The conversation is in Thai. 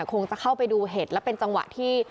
คงจะเข้าไปดูเห็ดและเป็นจังหวะที่